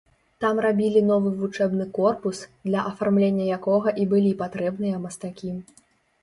Там рабілі новы вучэбны корпус, для афармлення якога і былі патрэбныя мастакі.